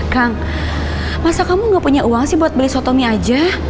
kang masa kamu nggak punya uang sih buat beli sholat tominya aja